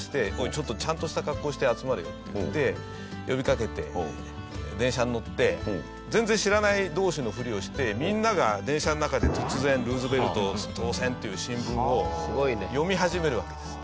「ちょっとちゃんとした格好して集まれよ」って言って呼びかけて電車に乗って全然知らない同士の振りをしてみんなが電車の中で突然「ルーズベルト当選」っていう新聞を読み始めるわけです。